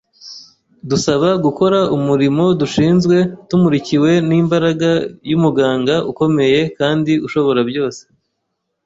Dusabwa gukora umurimo dushinzwe tumurikiwe n’imbaraga y’Umuganga ukomeye kandi ushobora byose.